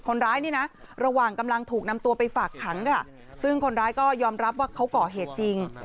คนร้ายนี่นะระหว่างกำลังถูกนำตัวไปฝากขังค่ะซึ่งคนร้ายก็ยอมรับว่าเขาก่อเหตุจริง